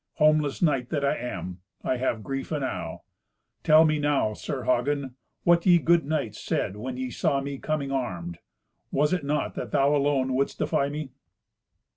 Homeless knight that I am, I have grief enow. Tell me now, Sir Hagen, what ye good knights said when ye saw me coming armed. Was it not that thou alone wouldst defy me?"